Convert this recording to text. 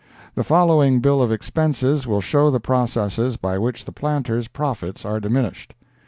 The following bill of expenses will show the processes by which the planter's profits are diminished.